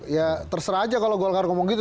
ya terserah aja kalau golkar ngomong gitu